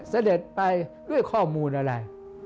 เสด็จไปด้วยข้อมูลอะไร